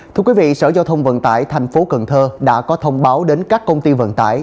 thưa quý vị sở giao thông vận tải thành phố cần thơ đã có thông báo đến các công ty vận tải